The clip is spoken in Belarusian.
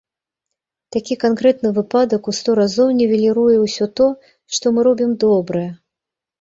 Такі канкрэтны выпадак ў сто разоў нівеліруе ўсё тое, што мы робім добрае.